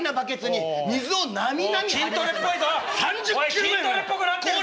おい筋トレっぽくなってんぞ？